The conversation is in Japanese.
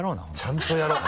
ちゃんとやろう。